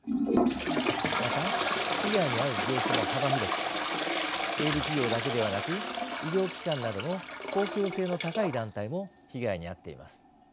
また被害に遭う業種も幅広く営利企業だけではなく医療機関などの公共性の高い団体も被害に遭っています。